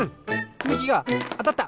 つみきがあたった！